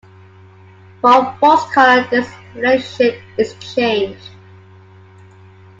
For false color this relationship is changed.